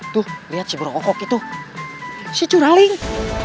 tuh lihat si burung kokok itu si curaling